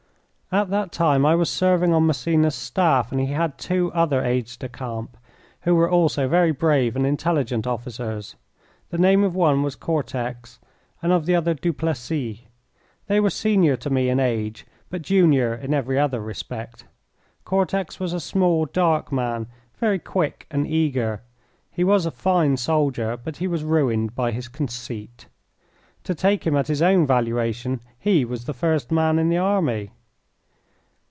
At that time I was serving on Massena's staff, and he had two other aides de camp, who were also very brave and intelligent officers. The name of one was Cortex and of the other Duplessis. They were senior to me in age, but junior in every other respect. Cortex was a small, dark man, very quick and eager. He was a fine soldier, but he was ruined by his conceit. To take him at his own valuation, he was the first man in the army.